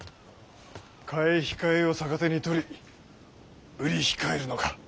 買い控えを逆手に取り売り控えるのか？